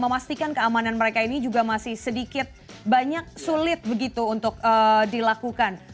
memastikan keamanan mereka ini juga masih sedikit banyak sulit begitu untuk dilakukan